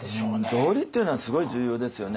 道理っていうのはすごい重要ですよね。